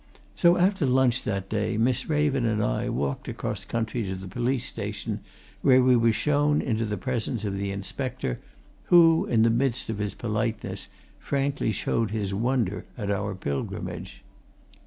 So after lunch that day Miss Raven and I walked across country to the police station, where we were shown into the presence of the inspector, who, in the midst of his politeness, frankly showed his wonder at our pilgrimage.